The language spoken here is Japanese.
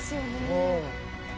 うん。